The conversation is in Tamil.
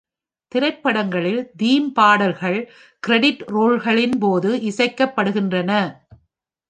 திரைப்படங்களில், தீம் பாடல்கள் க்ரெடிட் ரோல்களின் போது இசைக்கப்படுகின்றன.